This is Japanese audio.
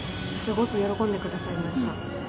すごく喜んでくださいました。